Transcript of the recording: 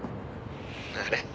あれ？